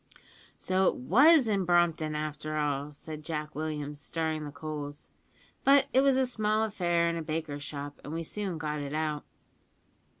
"So it was in Brompton, after all," said Jack Williams, stirring the coals; "but it was a small affair in a baker's shop, and we soon got it out."